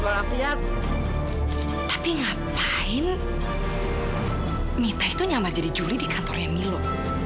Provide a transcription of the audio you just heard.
warna fiat tapi ngapain mita itu nyambar jadi juli di kantornya milo